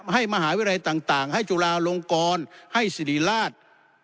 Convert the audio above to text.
ให้มหาวิทยาลัยต่างให้จุฬาลงกรให้สิริราช